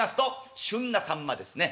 旬なさんまですね。